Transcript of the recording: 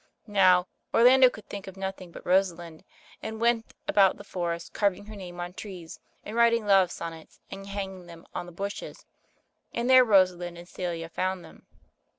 Now, Orlando could think of nothing but Rosalind, and he went about the forest, carving her name on trees, and writing love son nets and hanging them on the bushes, and there Rosalind and Celia found them.